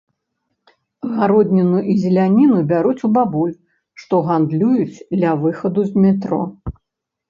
Гародніну і зеляніну бяруць у бабуль, што гандлююць ля выхаду з метро.